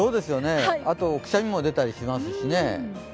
あとくしゃみも出たりしますしね。